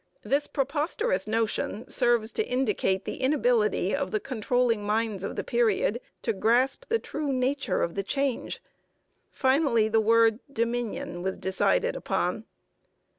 This preposterous notion serves to indicate the inability of the controlling minds of the period to grasp the true nature of the change. Finally, the word 'Dominion' was decided upon.